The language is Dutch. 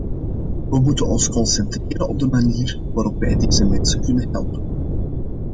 We moeten ons concentreren op de manier waarop wij deze mensen kunnen helpen.